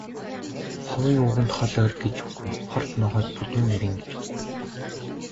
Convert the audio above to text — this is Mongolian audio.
Ховын үгэнд хол ойр гэж үгүй, хорт могойд бүдүүн нарийн гэж үгүй.